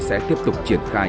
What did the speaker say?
sẽ tiếp tục triển khai